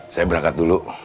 saya berangkat dulu